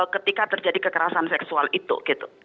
ketika terjadi kekerasan seksual itu gitu